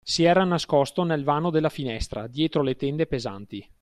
Si era nascosto nel vano della finestra, dietro le tende pesanti